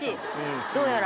どうやら。